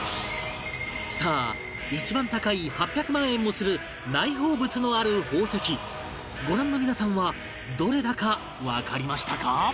さあ一番高い８００万円もする内包物のある宝石ご覧の皆さんはどれだかわかりましたか？